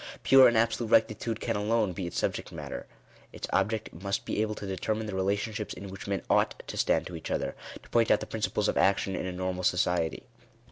Pure and absolute rectitude can alone be its subject matter. Its object must be to determine the relationships in which men ought to stand to each other — to point out the principles of action in a normal society.